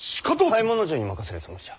左衛門尉に任せるつもりじゃ。